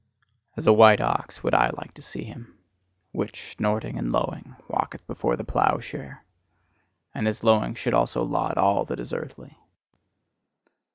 As a white ox would I like to see him, which, snorting and lowing, walketh before the plough share: and his lowing should also laud all that is earthly!